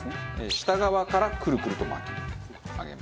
下側からくるくると巻き上げます。